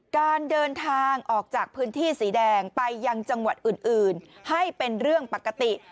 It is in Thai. การเดินทางออกจากพื้นที่สีแดงไปยังจังหวัดอื่นให้เป็นเรื่องปกติ